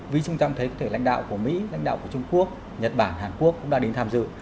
vì chúng ta cũng thấy có thể là lãnh đạo của mỹ lãnh đạo của trung quốc nhật bản hàn quốc cũng đã đến tham dự